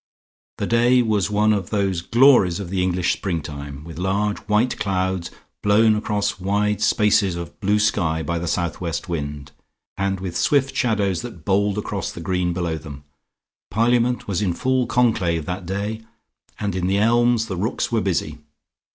The day was one of those glories of the English spring time, with large white clouds blown across wide spaces of blue sky by the southwest wind, and with swift shadows that bowled across the green below them. Parliament was in full conclave that day, and in the elms the rooks were busy.